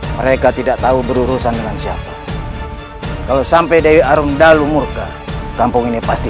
mereka tidak tahu berurusan dengan siapa kalau sampai dewi arumda lumur ke kampung ini pasti